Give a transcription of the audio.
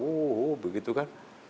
oh begitu kan